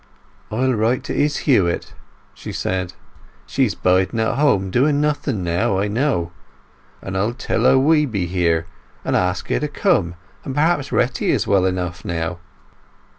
"I'll write to Izz Huett," she said. "She's biding at home doing nothing now, I know, and I'll tell her we be here, and ask her to come; and perhaps Retty is well enough now."